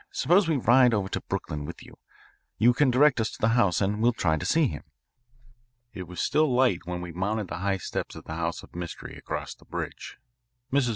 Suppose we ride over to Brooklyn with you. You can direct us to the house and we'll try to see him." It was still light when we mounted the high steps of the house of mystery across the bridge. Mrs.